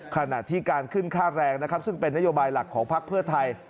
ขณะที่การขึ้นค่าแรงนะครับซึ่งเป็นนโยบายหลักของพักเพื่อไทย